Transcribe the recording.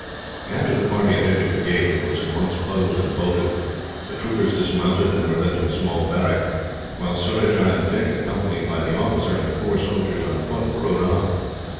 After the party had entered the gate, it was at once closed and bolted. The troopers dismounted, and were led to a small barrack; while Surajah and Dick, accompanied by the officer, and four soldiers on foot, rode on.